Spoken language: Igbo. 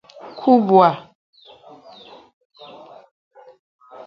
Kubwa